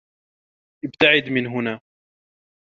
ابتعد من هنا.